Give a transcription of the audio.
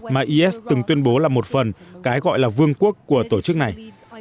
mà is từng tuyên bố là một phần cái gọi là vương quốc của tổ chức này